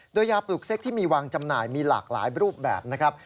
โดยยาปลูกเซ็กที่มีวางจำหน่ายมีหลากหลายรูปแบบนะครับ